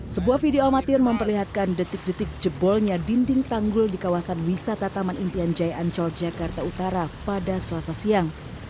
sebuah video amatir memperlihatkan detik detik jebolnya dinding tanggul di kawasan wisata taman impian jaya ancol jakarta utara pada selasa siang